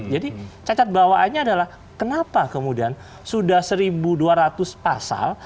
jadi cacat bawaannya adalah kenapa kemudian sudah seribu dua ratus pasal